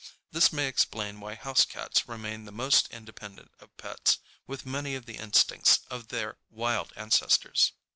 This may explain why house cats remain the most independent of pets, with many of the instincts of their wild ancestors.